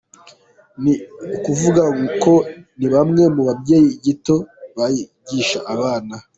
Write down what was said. Ni ukuvuga ko ni bamwe mu babyeyi gito bayigisha abana.